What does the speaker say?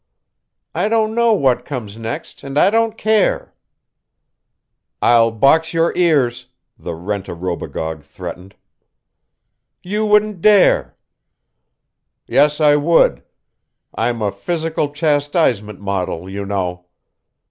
"I don't know what comes next and I don't care!" "I'll box your ears," the rent a robogogue threatened. "You wouldn't dare!" "Yes I would I'm a physical chastisement model, you know.